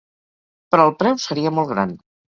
Però el preu seria molt gran.